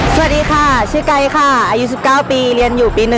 สวัสดีค่ะชื่อไกค่ะอายุ๑๙ปีเรียนอยู่ปี๑